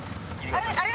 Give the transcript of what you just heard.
あれ！